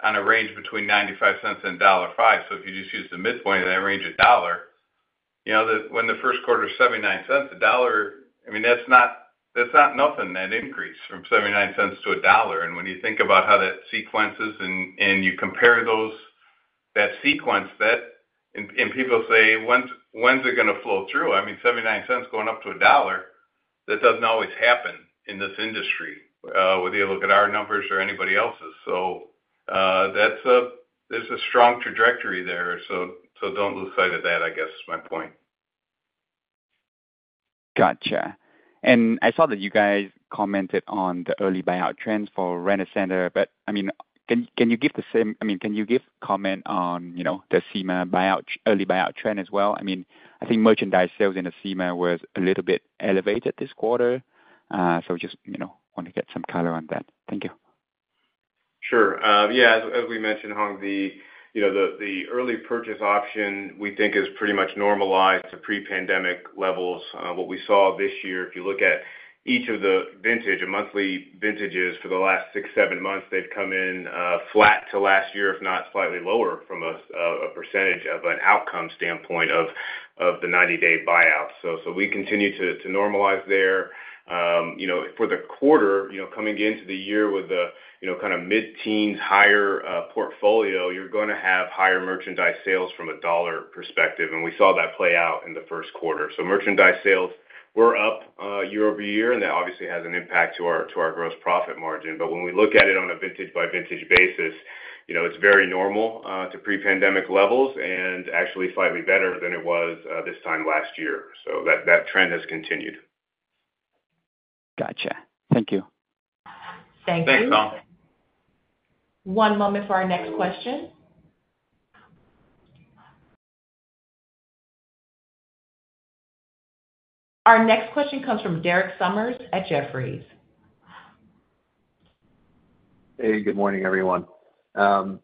on a range between $0.95 and $1.05. So if you just use the midpoint of that range, a dollar, you know, when the first quarter is $0.79, I mean, that's not nothing, that increase from $0.79 to a dollar. When you think about how that sequences and you compare those, that sequence, and people say, "When's it gonna flow through?" I mean, $0.79 going up to dollar, that doesn't always happen in this industry, whether you look at our numbers or anybody else's. So, that's a strong trajectory there, so don't lose sight of that, I guess, is my point. Gotcha. I saw that you guys commented on the early buyout trends for Rent-A-Center, but, I mean, can you give the same. I mean, can you give comment on, you know, the Acima buyout, early buyout trend as well? I mean, I think merchandise sales in Acima was a little bit elevated this quarter. So just, you know, want to get some color on that? Thank you. Sure. Yeah, as we mentioned, Hoang, you know, the Early Purchase Option, we think is pretty much normalized to pre-pandemic levels. What we saw this year, if you look at each of the vintages, the monthly vintages for the last six, seven months, they've come in flat to last year, if not slightly lower from a percentage of an outcome standpoint of the 90-day buyouts. So we continue to normalize there. You know, for the quarter, you know, coming into the year with a, you know, kind of mid-teens higher portfolio, you're gonna have higher merchandise sales from a dollar perspective, and we saw that play out in the first quarter. So merchandise sales were up year-over-year, and that obviously has an impact to our gross profit margin. When we look at it on a vintage-by-vintage basis, you know, it's very normal to pre-pandemic levels and actually slightly better than it was this time last year. So that, that trend has continued. Gotcha. Thank you. Thank you. Thanks, Hoang. One moment for our next question. Our next question comes from Derek Sommers at Jefferies. Hey, good morning, everyone. Kind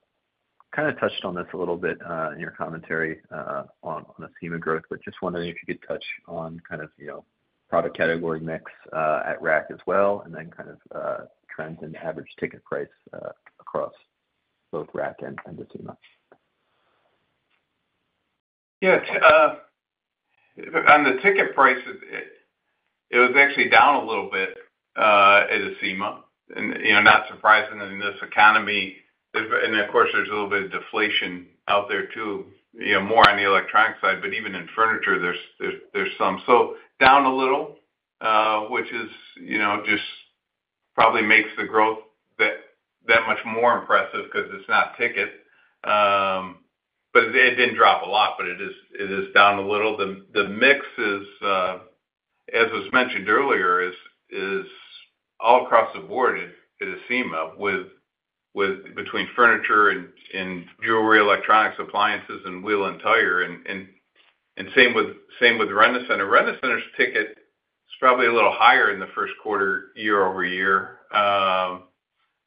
of touched on this a little bit in your commentary on the Acima growth, but just wondering if you could touch on kind of, you know, product category mix at RAC as well, and then kind of trends in average ticket price across both RAC and Acima. Yeah, on the ticket price, it was actually down a little bit at Acima. And, you know, not surprising in this economy. There's, and of course, there's a little bit of deflation out there, too, you know, more on the electronic side, but even in furniture, there's some. Down a little, which is, you know, just probably makes the growth that much more impressive because it's not ticket. But it didn't drop a lot, but it is down a little. The mix is, as was mentioned earlier, all across the board at Acima, with between furniture and jewelry, electronics, appliances, and wheel and tire. Same with Rent-A-Center. Rent-A-Center's ticket is probably a little higher in the first quarter, year-over-year.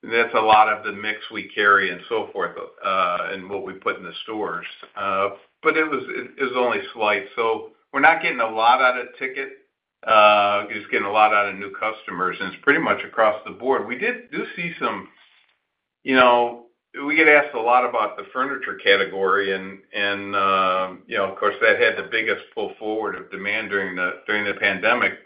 That's a lot of the mix we carry and so forth, and what we put in the stores. It was only slight. So we're not getting a lot out of ticket, just getting a lot out of new customers, and it's pretty much across the board. We do see some. You know, we get asked a lot about the furniture category and, you know, of course, that had the biggest pull forward of demand during the pandemic.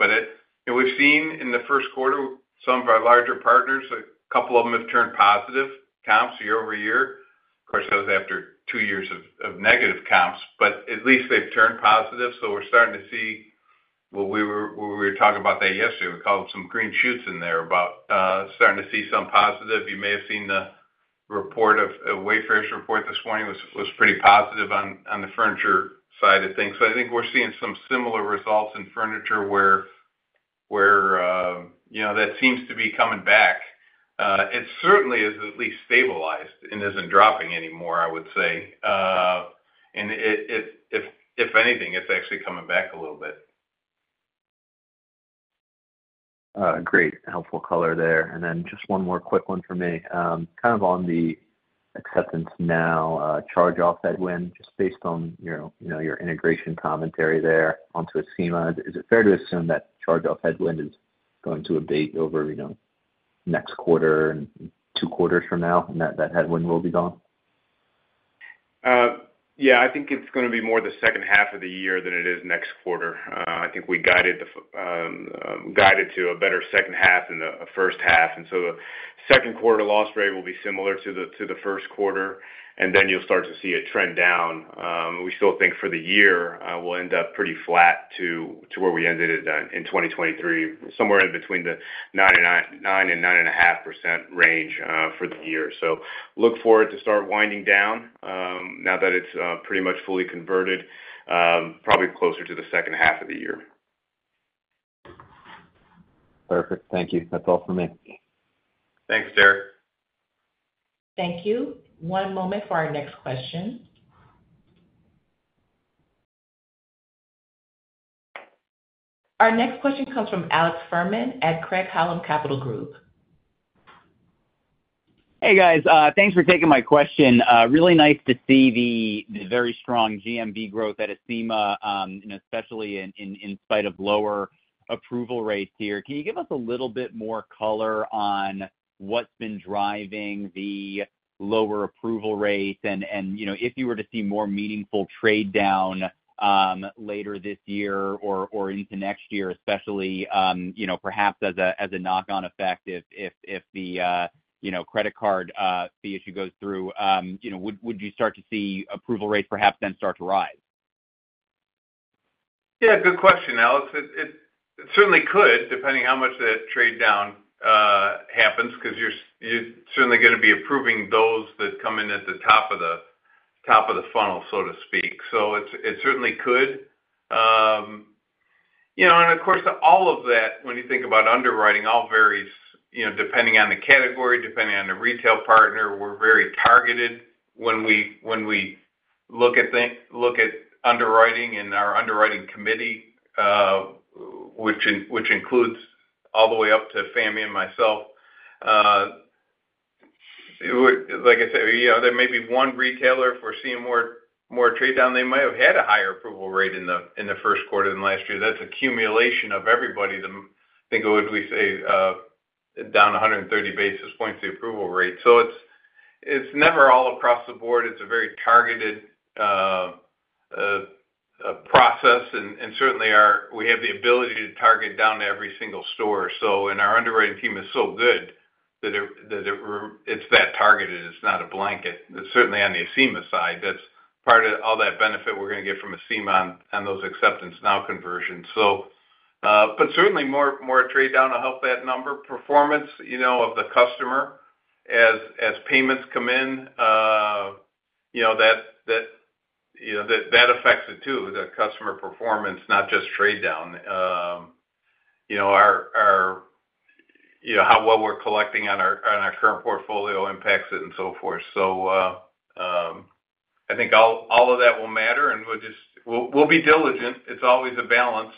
We've seen in the first quarter, some of our larger partners, a couple of them have turned positive comps year-over-year. Of course, that was after two years of negative comps, but at least they've turned positive. We're starting to see what we were talking about yesterday. We called it some green shoots in there, about starting to see some positive. You may have seen the report of a Wayfair's report this morning was pretty positive on the furniture side of things. I think we're seeing some similar results in furniture where you know that seems to be coming back. It certainly is at least stabilized and isn't dropping anymore, I would say. If anything it's actually coming back a little bit. Great, helpful color there. Then just one more quick one for me. Kind of on the Acceptance Now charge-off headwind, just based on your, you know, your integration commentary there onto Acima, is it fair to assume that charge-off headwind is going to abate over, you know, next quarter and two quarters from now, and that, that headwind will be gone? I think it's gonna be more the second half of the year than it is next quarter. I think we guided to a better second half than the first half. The second quarter loss rate will be similar to the first quarter, and then you'll start to see it trend down. We still think for the year, we'll end up pretty flat to where we ended it at in 2023, somewhere in between 9% and 9.5% range, for the year. So look forward to start winding down, now that it's pretty much fully converted, probably closer to the second half of the year. Perfect. Thank you. That's all for me. Thanks, Derek. Thank you. One moment for our next question. Our next question comes from Alex Fuhrman at Craig-Hallum Capital Group. Hey, guys, thanks for taking my question. Really nice to see the very strong GMV growth at Acima, and especially in spite of lower approval rates here. Can you give us a little bit more color on what's been driving the lower approval rates? And you know, if you were to see more meaningful trade down later this year or into next year, especially you know, perhaps as a knock-on effect, if the you know, credit card fee issue goes through, you know, would you start to see approval rates perhaps then start to rise? Yeah, good question, Alex. It certainly could, depending how much that trade down happens, because you're certainly gonna be approving those that come in at the top of the funnel, so to speak. So it certainly could. You know, and of course, all of that, when you think about underwriting, all varies, you know, depending on the category, depending on the retail partner. We're very targeted when we look at things, look at underwriting and our underwriting committee, which includes all the way up to Fahmi and myself. Like I said, you know, there may be one retailer if we're seeing more trade down, they might have had a higher approval rate in the first quarter than last year. That's accumulation of everybody to think of, if we say down 130 basis points, the approval rate. It's never all across the board. It's a very targeted process, and certainly our we have the ability to target down to every single store. Our underwriting team is so good that it's that targeted. It's not a blanket. Certainly on the Acima side, that's part of all that benefit we're gonna get from Acima on those Acceptance Now conversions. Certainly more trade down will help that number performance, you know, of the customer as payments come in, you know, that affects it, too, the customer performance, not just trade down. You know, our you know, how well we're collecting on our current portfolio impacts it and so forth. So, I think all of that will matter, and we'll just. We'll be diligent. It's always a balance.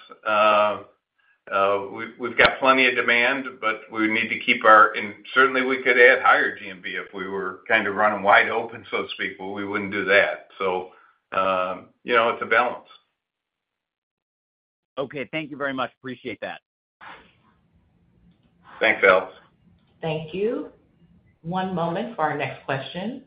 We've got plenty of demand, but we need to keep our certainly, we could add higher GMV if we were kind of running wide open, so to speak, but we wouldn't do that. So, you know, it's a balance. Okay, thank you very much. Appreciate that. Thanks, Alex. Thank you. One moment for our next question.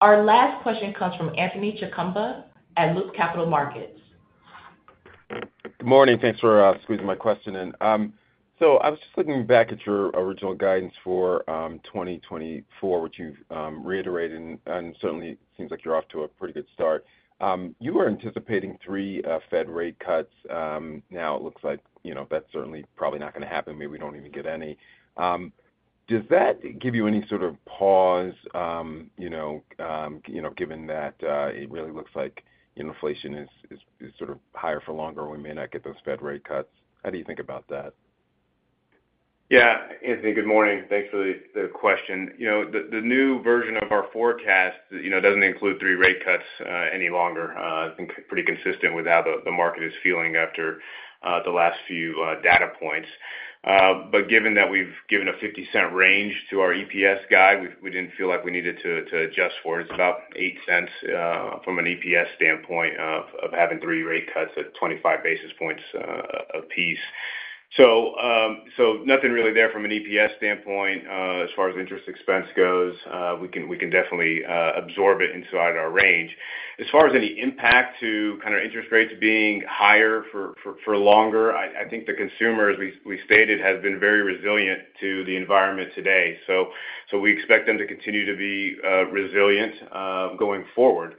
Our last question comes from Anthony Chukumba at Loop Capital Markets. Good morning. Thanks for squeezing my question in. So I was just looking back at your original guidance for 2024, which you've reiterated, and certainly seems like you're off to a pretty good start. You were anticipating three Fed rate cuts. Now it looks like, you know, that's certainly probably not gonna happen. Maybe we don't even get any. Does that give you any sort of pause, you know, you know, given that it really looks like inflation is sort of higher for longer, and we may not get those Fed rate cuts? How do you think about that? Yeah, Anthony, good morning. Thanks for the question. You know, the new version of our forecast, you know, doesn't include three rate cuts any longer, pretty consistent with how the market is feeling after the last few data points. Given that we've given a $0.50 range to our EPS guide, we didn't feel like we needed to adjust for it. It's about $0.08 from an EPS standpoint of having three rate cuts at 25 basis points apiece. So, nothing really there from an EPS standpoint. As far as interest expense goes, we can definitely absorb it inside our range. As far as any impact to kind of interest rates being higher for longer, I think the consumer, as we stated, has been very resilient to the environment today. We expect them to continue to be resilient going forward.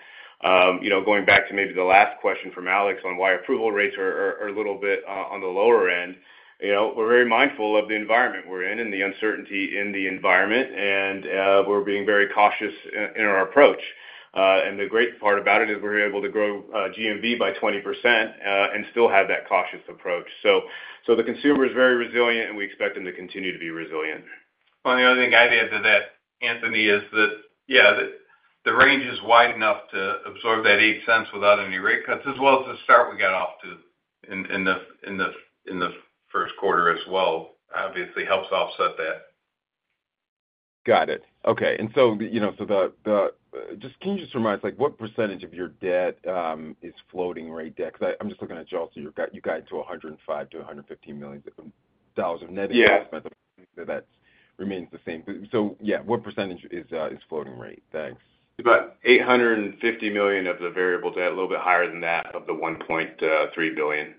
You know, going back to maybe the last question from Alex on why approval rates are a little bit on the lower end. You know, we're very mindful of the environment we're in and the uncertainty in the environment, and we're being very cautious in our approach. The great part about it is we're able to grow GMV by 20%, and still have that cautious approach. The consumer is very resilient, and we expect them to continue to be resilient. Well, the only thing I'd add to that, Anthony, is that, yeah, the range is wide enough to absorb that $0.08 without any rate cuts, as well as the start we got off to in the first quarter as well, obviously helps offset that. Got it. Okay. And so, you know. Just, can you just remind us, like, what percentage of your debt is floating rate debt? Because I'm just looking at you all. So you guided to $105 million-$115 million of net. Yeah. That remains the same. So yeah, what percentage is floating rate? Thanks. About $850 million of the variable debt, a little bit higher than that, of the $1.3 billion.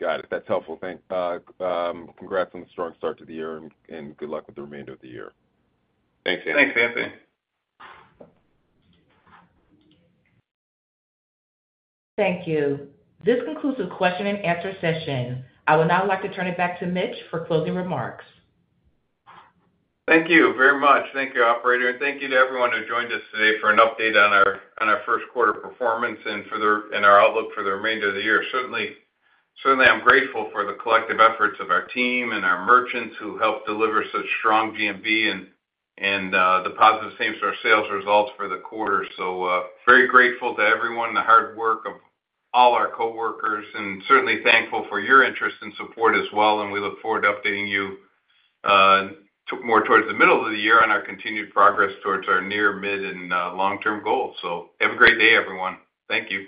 Got it. That's helpful. Thanks, congrats on the strong start to the year, and good luck with the remainder of the year. Thanks, Anthony. Thanks, Anthony. Thank you. This concludes the question-and-answer session. I would now like to turn it back to Mitch for closing remarks. Thank you very much. Thank you, operator, and thank you to everyone who joined us today for an update on our first quarter performance and our outlook for the remainder of the year. Certainly, I'm grateful for the collective efforts of our team and our merchants who helped deliver such strong GMV and the positive same-store sales results for the quarter. So, very grateful to everyone, the hard work of all our coworkers, and certainly thankful for your interest and support as well, and we look forward to updating you more towards the middle of the year on our continued progress towards our near-mid and long-term goals. So have a great day, everyone. Thank you.